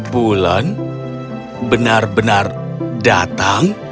bulan benar benar datang